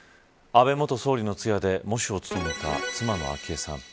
安倍元総理の通夜で喪主を務めた妻の昭恵さん